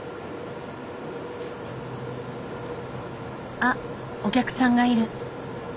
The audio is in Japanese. あっお客さんがいる。